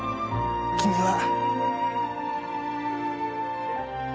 君は。